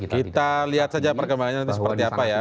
kita lihat saja perkembangannya nanti seperti apa ya